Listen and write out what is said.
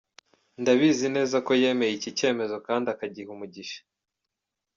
Ndabizi neza ko yemeye iki cyemezo kandi akagiha umugisha.